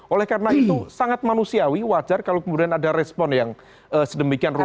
oleh karena itu sangat manusiawi wajar kalau kemudian ada respon yang sedemikian rupa